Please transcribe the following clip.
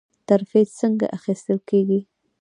ترفیع څنګه اخیستل کیږي؟